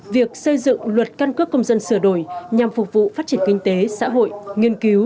việc xây dựng luật căn cước công dân sửa đổi nhằm phục vụ phát triển kinh tế xã hội nghiên cứu